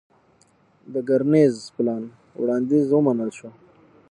د کرنيز پلان وړانديز ومنل شو.